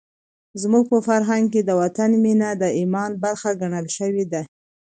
زموږ په فرهنګ کې د وطن مینه د ایمان برخه ګڼل شوې ده.